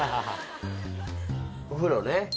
お風呂ね。